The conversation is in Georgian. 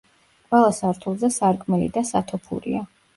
ყველა სართულზე სარკმელი და სათოფურია.